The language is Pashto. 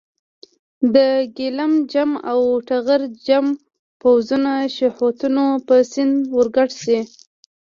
د ګیلم جم او ټغر جم پوځونه شهوتونو په سیند ورګډ شي.